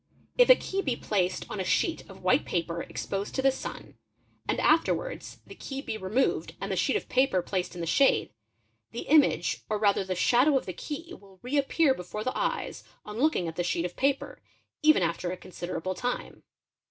Ifa key be placed on a sheet of white paper exposed to the sun, and afterwards the key be removed and the sheet of paper placed in the shade, the image or rather the shadow of the key will re appear before the eyes on looking at the sheet of paper even after a considerable time.